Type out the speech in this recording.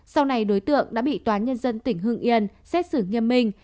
sau này đối tượng đã bị toán nhân dân tỉnh hương yên xét xử nghiêm minh